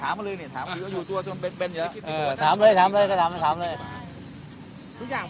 ถามเลยให้ถามเลยถามเลยถามเลยอ่าทุกอย่าง